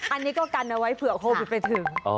อันนี้ก็กันเอาไว้เผื่อโควิดไปถึง